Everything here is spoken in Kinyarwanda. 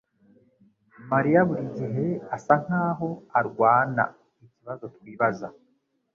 mariya buri gihe asa nkaho arwana ikibazo twibaza